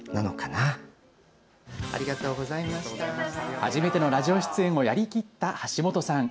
初めてのラジオ出演をやりきった橋本さん。